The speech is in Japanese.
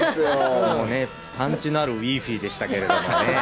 パンチのあるウィーフィーでした。